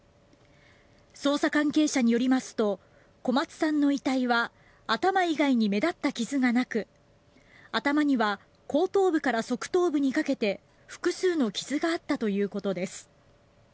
捜査関係者によりますと小松さんの遺体は頭以外に目立った傷がなく頭には後頭部から側頭部にかけて複数の傷があったということです。